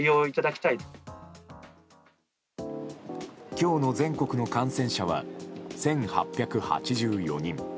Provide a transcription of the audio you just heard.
今日の全国の感染者は１８８４人。